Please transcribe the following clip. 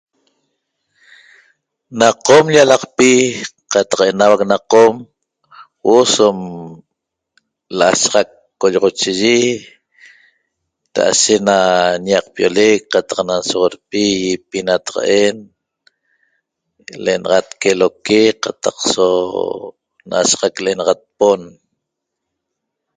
Na qom llalaqpi qataq enauac na qom huo'o som la'ashaxac qolloxochiyi ra'ashe na ñaqpiolec qataq na nsoxorpi ỹipi nataqa'en le'enaxat queloque qataq so na'ashaxac le'enaxat pon